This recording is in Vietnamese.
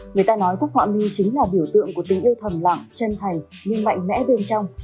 người ta nói cúc họa mi chính là biểu tượng của tình yêu thầm lặng chân thầy nhưng mạnh mẽ bên trong